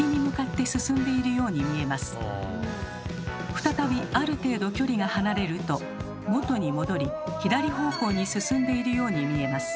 再びある程度距離が離れると元に戻り左方向に進んでいるように見えます。